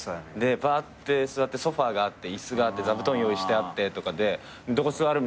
ばーって座ってソファがあって椅子があって座布団用意してあって「どこ座る？」